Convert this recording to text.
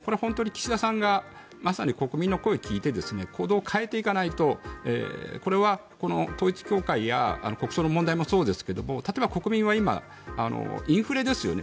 これは本当に岸田さんがまさに国民の声を聞いて行動を変えていかないとこれは統一教会や国葬の問題もそうですが例えば国民は今、インフレですよね。